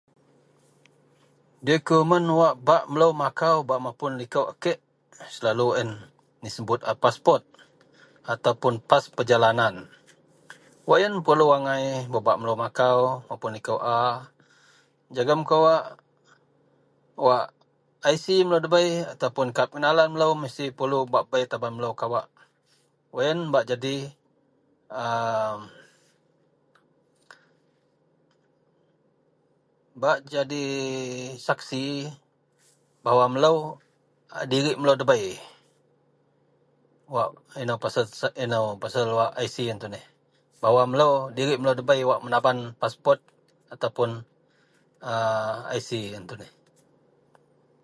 dikumen wak bak melou makau bak mapun liko a kek, selalu a ien disebut a paspot ataupun pas perjalanan, wak ien perlu agai babak melou makau mapun liko a, jegum kawak wak IC melou debei ataupun kad pengenalan melou mesti perlu bak bei taban melou kawak, wak ien bak jadi aa bak jadi saksi bahwa melou dirik melou debei wak inou pasal inou wak inou pasal wak IC ien tuneh, bahwa melou dirik melou debei wak menaban paspot ataupun a IC ien tuneh.